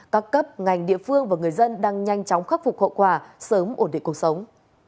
các cấp ngành địa phương và người dân đang nhanh chóng khắc phục hậu quả sớm ổn định cuộc sống